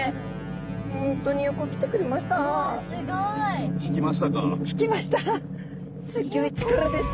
本当によく来てくれました。